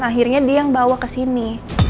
akhirnya dia yang bawa kesini